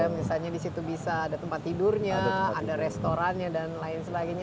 misalnya di situ bisa ada tempat tidurnya ada restorannya dan lain sebagainya